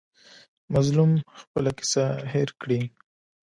مظلوم خپله کیسه هېر کړي.